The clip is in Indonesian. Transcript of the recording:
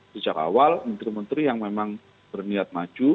sejak awal menteri menteri yang memang berniat maju